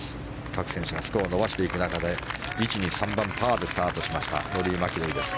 各選手がスコアを伸ばしていく中で１、２、３番、パーでスタートしましたローリー・マキロイです。